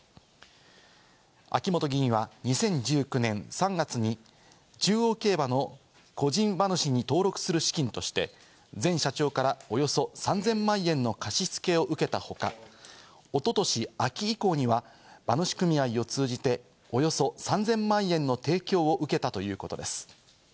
秋本議員は２０１９年３月に中央競馬の個人馬主に登録する資金として前社長からおよそ３０００万円の貸し付けを受けた他、おととし秋以降には、馬主組合を通じておよそ３０００万円の提供を受けたということです。